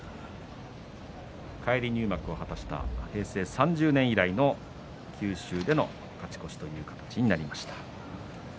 返り入幕を果たした平成３０年以来の九州での勝ち越しという形になりました。